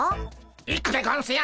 行くでゴンスよ！